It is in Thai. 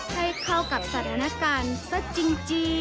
ให้เข้ากับสถานการณ์ซะจริง